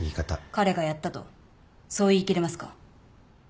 彼がやったとそう言い切れますか？